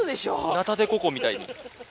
⁉ナタデココみたいに。